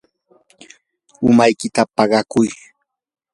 umaykita paqakuy.